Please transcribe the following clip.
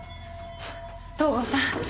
東郷さん